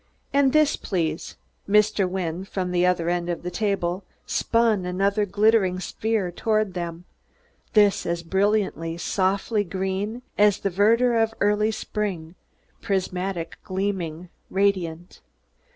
"And this, please." Mr. Wynne, from the other end of the table, spun another glittering sphere toward them this as brilliantly, softly green as the verdure of early spring, prismatic, gleaming, radiant.